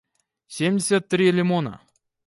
семьдесят три лимона